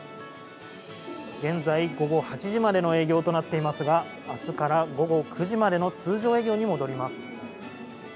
現在、午後８時までの営業となっていますが、あすから午後９時までの通常営業に戻ります。